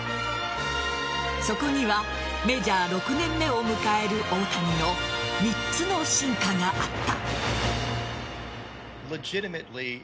そこにはメジャー６年目を迎える大谷の３つの進化があった。